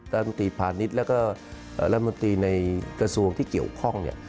รัฐมนตรีพาณิชย์แล้วก็รัฐมนตรีในกระทรวงที่เกี่ยวข้องเนี่ย